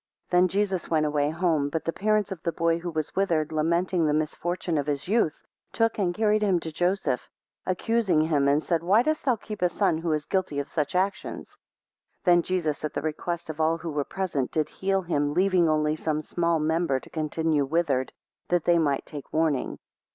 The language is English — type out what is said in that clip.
5 Then Jesus went away home. But the parents of the boy who was withered, lamenting the misfortune of his youth, took and carried him to Joseph, accusing him, and said, Why dost thou keep a son who is guilty of such actions? 6 Then Jesus at the request of all who were present did heal him, leaving only some small member to continue withered, that they might take warning.